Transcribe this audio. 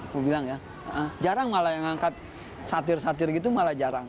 aku bilang ya jarang malah yang ngangkat satir satir gitu malah jarang